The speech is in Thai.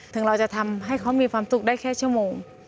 ถึงเราจะทำให้เขามีความสุขได้แค่ชั่วโมง